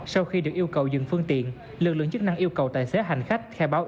sau khi được yêu cầu dừng phương tiện lực lượng chức năng yêu cầu tài xế hành khách theo báo